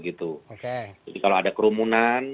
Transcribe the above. jadi kalau ada kerumunan